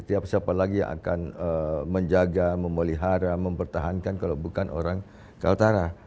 setiap siapa lagi yang akan menjaga memelihara mempertahankan kalau bukan orang kaltara